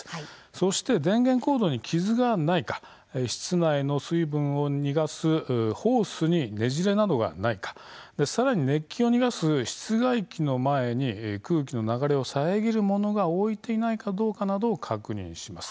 そして電源コードに傷がないか室内の水分を逃がすホースにねじれなどがないかさらに熱気を逃がす室外機の前に空気の流れを遮るものが置いていないかなどを確認します。